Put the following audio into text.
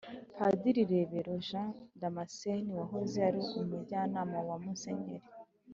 padiri rebero jean damascène wahoze ari umujyanama wa musenyeri